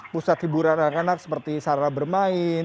pusat hiburan anak anak seperti sarana bermain